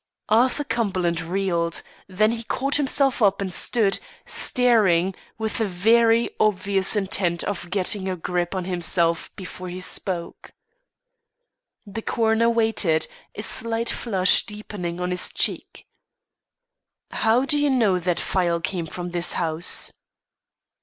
Arthur Cumberland reeled; then he caught himself up and stood, staring, with a very obvious intent of getting a grip on himself before he spoke. The coroner waited, a slight flush deepening on his cheek. "How do you know that phial came from this house?"